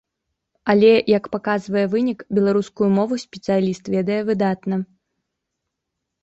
Але, як паказвае вынік, беларускую мову спецыяліст ведае выдатна.